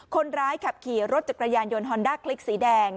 คนร้ายขับขี่รถจักรยานยนต์ฮอนด้าคลิกสีแดง